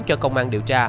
cho công an điều tra